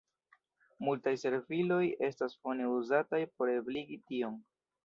Multaj serviloj estas fone uzataj por ebligi tion.